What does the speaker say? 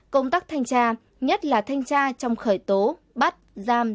công tác thanh tra nhất là thanh tra trong khởi tố bắt giam giữ truy tố